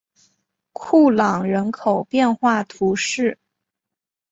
库朗人口变化图示